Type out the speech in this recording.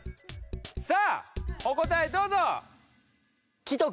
さあお答えどうぞ！